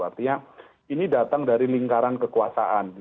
artinya ini datang dari lingkaran kekuasaan